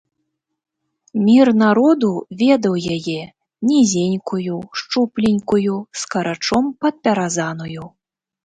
Мір народу ведаў яе, нізенькую, шчупленькую, скарачом падпяразаную.